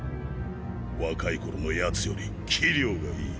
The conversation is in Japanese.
若い頃のヤツより器量がいい。